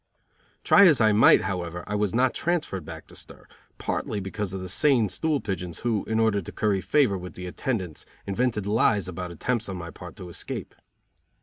Try as I might, however, I was not transferred back to stir, partly because of the sane stool pigeons who, in order to curry favor with the attendants, invented lies about attempts on my part to escape.